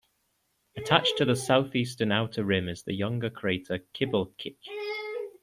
Attached to the southeastern outer rim is the younger crater Kibal'chich.